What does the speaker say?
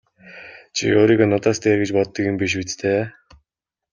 Чи өөрийгөө надаас дээр гэж боддог юм биш биз дээ!